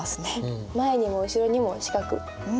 前にも後ろにも四角うん。